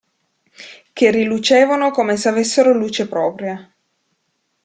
Che rilucevano come se avessero luce propria.